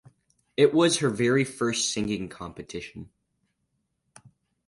It was her very first singing competition.